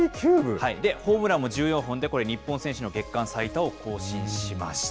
ホームランも１４本で、これ、日本人の月間最多を更新しました。